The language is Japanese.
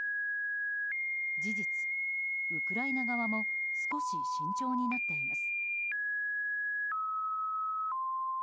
事実、ウクライナ側も少し慎重になっています。